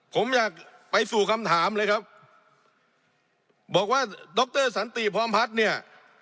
ผมอยากไปสู่คำถามเลยครับบอกว่าดรสันติพร้อมพัฒน์เนี่ย